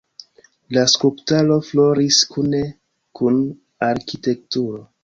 La skulptarto floris kune kun arkitekturo.